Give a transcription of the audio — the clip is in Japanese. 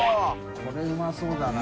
これうまそうだな。